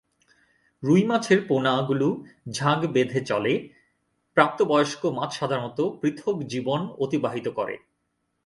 রুই মাছের পোনা গুলো ঝাঁক বেধে চলে, প্রাপ্ত বয়স্ক মাছ সাধারণত পৃথক জীবন অতিবাহিত করে।